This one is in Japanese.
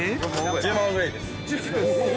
・１０万ぐらいです。